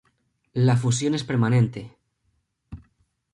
La fusión es permanente.